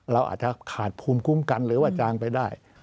เราอาจจะขาดภูมิคุ้มกันหรือว่าจางไปได้